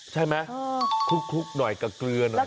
ใช่หรือครุ่บหน่อยกับเกลือหน่อย